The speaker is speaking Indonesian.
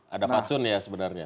ada pasun ya sebenarnya